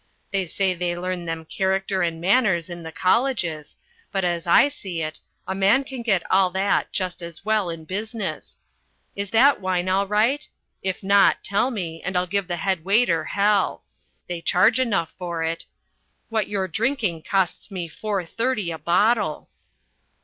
They say they learn them character and manners in the colleges, but, as I see it, a man can get all that just as well in business is that wine all right? If not, tell me and I'll give the head waiter hell; they charge enough for it; what you're drinking costs me four fifty a bottle.